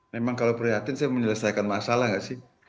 memang kalau prihatin saya menyelesaikan masalah gak sih